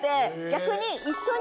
逆に。